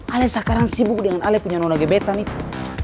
alec sekarang sibuk dengan alec punya nona gebetan itu